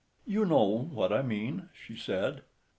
"You know what I mean," she said.